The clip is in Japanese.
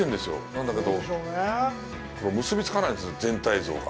なんだけど、結びつかないんですよ、全体像が。